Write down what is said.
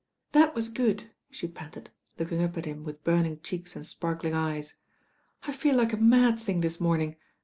"That was good," she panted, looking up at him with burning cheeks and sparkling eyes. "I feel like a mad thing this morning.